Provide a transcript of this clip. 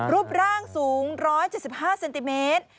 รูปร่างสูง๑๗๕เซนติเมตร